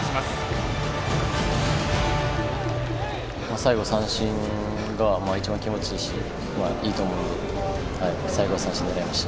最後三振が一番気持ちいいしいいと思うので最後は三振を狙いました。